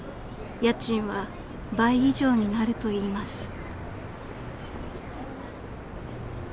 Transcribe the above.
［家賃は倍以上になるといいます］